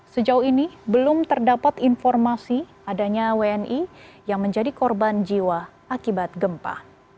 sejauh ini belum terdapat informasi adanya wni yang menjadi korban jiwa akibat gempa